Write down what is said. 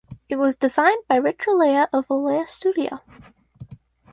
It was designed by Rich Olaya of Olaya Studio.